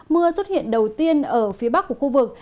mưa xuất hiện đầu tiên ở phía bắc của khu vực